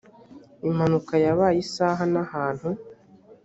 impanuka yabaye isaha n ahantu